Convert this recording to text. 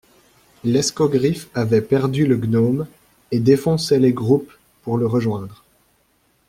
L'escogriffe avait perdu le gnome, et défonçait les groupes pour le rejoindre.